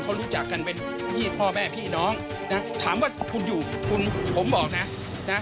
เขารู้จักกันเป็นยี่พ่อแม่พี่น้องนะถามว่าคุณอยู่คุณผมบอกนะนะ